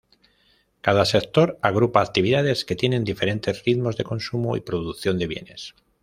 Cada sector agrupa actividades que tienen diferentes ritmos de "consumo" y "producción" de bienes.